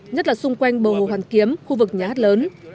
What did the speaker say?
nhất là xung quanh bờ hồ hoàn kiếm khu vực nhà hát lớn